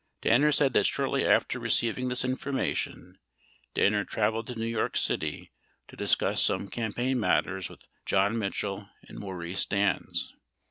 42 Danner said that shortly after receiving this information, Danner traveled to New York City to discuss some campaign matters with John Mitchell and Maurice Stans.